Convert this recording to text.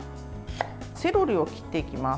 セロリを切っていきます。